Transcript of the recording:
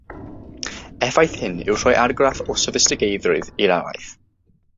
Effaith hyn yw rhoi argraff o soffistigeiddrwydd i'r araith